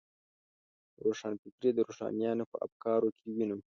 روښانفکري د روښانیانو په افکارو کې وینو.